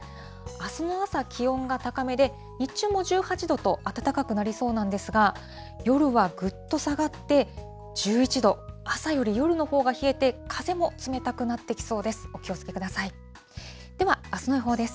あすの朝、気温が高めで、日中も１８度と暖かくなりそうなんですが、夜はぐっと下がって１１度、朝より夜のほうが冷えて、風も冷たくなってきそうです。